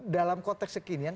dalam konteks kekinian